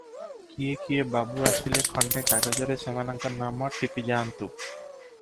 କିଏ କିଏ ବାବୁ ଆସିଲେ, ଖଣ୍ଡେ କାଗଜରେ ସେମାନଙ୍କ ନାମ ଟିପିଯାଆନ୍ତୁ ।"